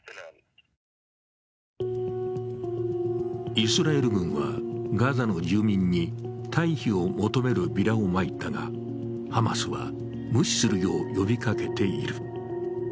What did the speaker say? イスラエル軍は、ガザの住民に退避を求めるびらをまいたが、ハマスは無視するよう呼びかけている。